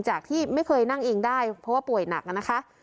จากที่ไม่เคยนั่งเองได้เพราะว่าป่วยหนักนะคะ